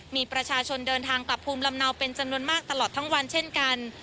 มีประชาชนเดินทางกลับภูมิลำเนาเป็นจำนวนมากตลอดทั้งวันเช่นกัน